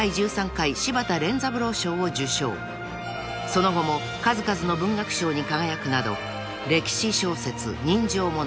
［その後も数々の文学賞に輝くなど歴史小説人情物